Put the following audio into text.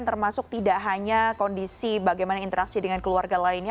termasuk tidak hanya kondisi bagaimana interaksi dengan keluarga lainnya